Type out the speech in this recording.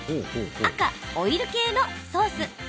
赤・オイル系のソース。